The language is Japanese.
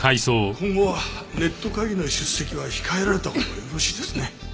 今後はネット会議の出席は控えられたほうがよろしいですね。